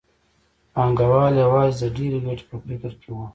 پانګوال یوازې د ډېرې ګټې په فکر کې وو